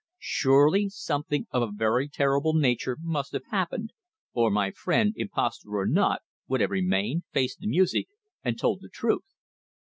Surely, something of a very terrible nature must have happened, or my friend impostor or not would have remained, faced the music, and told the truth.